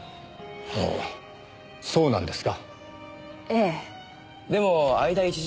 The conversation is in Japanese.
そうなんですか？